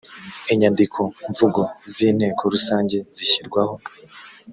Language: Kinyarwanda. inyandiko mvugo z inteko rusange zishyirwaho